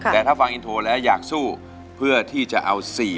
แต่ถ้าฟังอินโทรแล้วอยากสู้เพื่อที่จะเอา๔๐๐